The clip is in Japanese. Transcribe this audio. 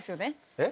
えっ！？